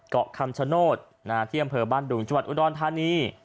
เกาะคำชโนธที่อำเภอบ้านดุงจังหวัดอุดรธานี